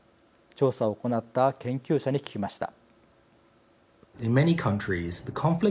調査を行った研究者に聞きました。